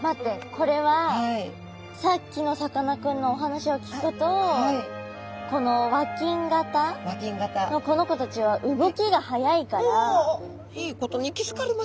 これはさっきのさかなクンのお話を聞くとこの和金型のこの子たちはおいいことに気付かれました。